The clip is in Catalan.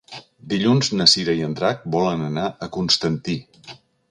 Dilluns na Cira i en Drac volen anar a Constantí.